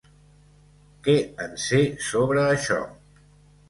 Què en sé sobre això?